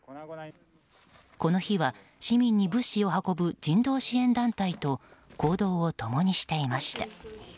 この日は、市民に物資を運ぶ人道支援団体と行動を共にしていました。